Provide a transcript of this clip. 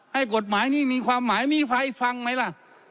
ให้กฎหมายนี้มีความหมายมีไฟฟังไหมล่ะ